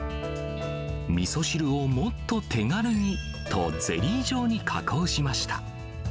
みそ汁をもっと手軽にと、ゼリー状に加工しました。